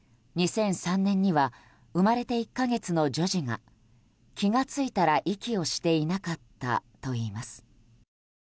２００３年には生まれて１か月の女児が気が付いたら息をしていなかったといいます。